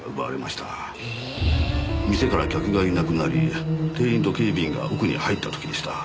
店から客がいなくなり店員と警備員が奥に入った時でした。